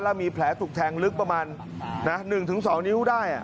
แล้วมีแผลถูกแทงลึกประมาณ๑๒นิ้วได้